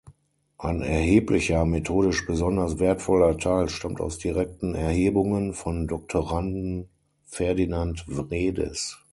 Ein erheblicher, methodisch besonders wertvoller Teil stammt aus direkten Erhebungen von Doktoranden Ferdinand Wredes.